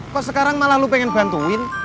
kok sekarang malah lo pengen bantuin